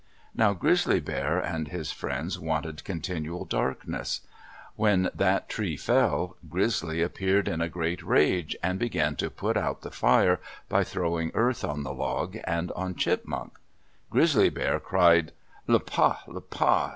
Now Grizzly Bear and his friends wanted continual darkness. When that tree fell, Grizzly appeared in a great rage and began to put out the fire by throwing earth on the log and on Chipmunk. Grizzly Bear cried, Le pa, Le pa!